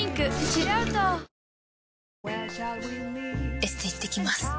エステ行ってきます。